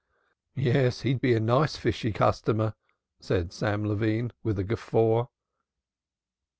"Yes, he'd be a nice fishy customer!" said Sam Levine with a guffaw.